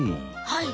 はい。